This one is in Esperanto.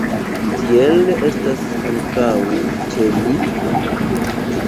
Tiel estas ankaŭ ĉe ni.